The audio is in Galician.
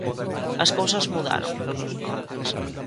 As cousas mudaron.